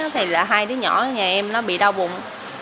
thì là hai đứa nhỏ ở nhà em nó bị đau bụng